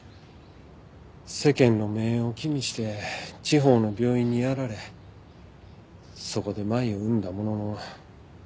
世間の目を気にして地方の病院にやられそこで麻衣を産んだものの。